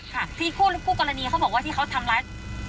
ที่คู่กรณีเขาบอกว่าที่เขาทำลายเราเนี่ย